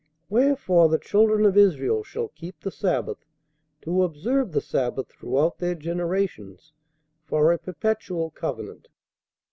Wherefore the children of Israel shall keep the sabbath, to observe the sabbath throughout their generations, for a perpetual covenant.